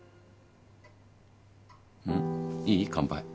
うん？いい？乾杯。